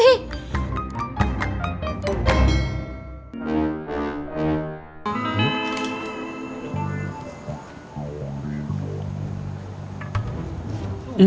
caranya gimana pe